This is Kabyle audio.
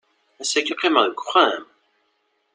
Ass-agi qqimeɣ deg uxxam.